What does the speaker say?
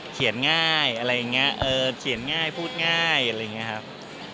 เขียนง่ายอะไรอย่างนี้เขียนง่ายพูดง่ายอะไรอย่างนี้ครับ